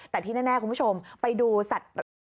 แต่ที่แน่คุณผู้ชมไปดูสัตว์